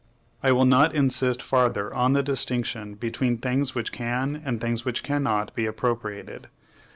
I will not insist farther on the distinction between things which can, and things which cannot, be appropriated.